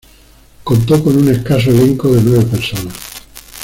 Contó con un escaso elenco de nueve personas.